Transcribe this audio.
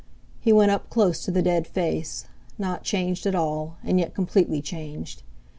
He went up close to the dead face—not changed at all, and yet completely changed.